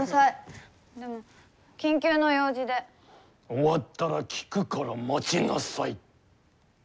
終わったら聞くから待ちなさい。